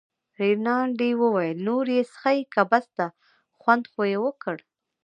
رینالډي وویل: نور یې څښې که بس ده، خوند خو یې وکړ.